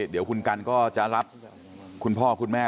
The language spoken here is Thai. เดี๋ยวคุณกันก็จะรับคุณพ่อคุณแม่